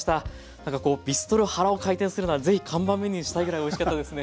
なんかこう「ビストロ原」を開店するならぜひ看板メニューにしたいぐらいおいしかったですね。